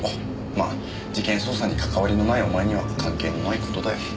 まあ事件捜査にかかわりのないお前には関係のない事だよ。